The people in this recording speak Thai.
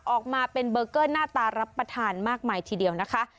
ออกมาเป็นเบอร์เกอร์หน้าตารับประทานมากมายทีเดียวนะคะ